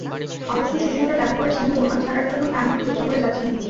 অবশ্য সুস্মিতা দাবি করেছেন, ধূমপান ছাড়ার জন্য প্রাণপণ চেষ্টা করে যাচ্ছেন তিনি।